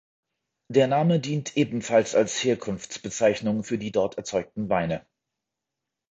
Der Name dient ebenfalls als Herkunftsbezeichnung für die dort erzeugten Weine.